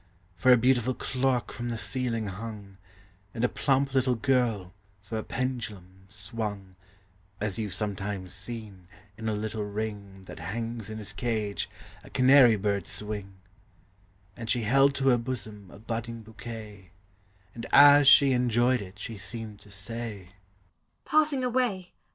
For a beautiful clock from the ceiling hung, And a plump little girl, for a pendulum, swung (As you've sometimes seen, in a little ring That hangs in his cage, a canary bird swing) ; And she held to her bosom a budding bouquet, And, as she enjoyed it, she seemed to say, " Passing away